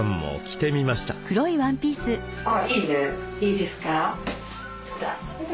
いいですか。